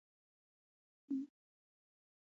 شعیب اختر تر ټولو چټک بالر وو.